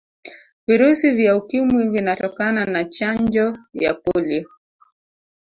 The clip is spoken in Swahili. virusi vya ukimwi vinatokana na Chanjo ya polio